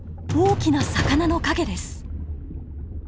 大きな魚の影です。